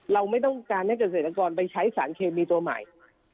เราไม่ต้องการให้เกษตรกรไปใช้สารเคมีตัวใหม่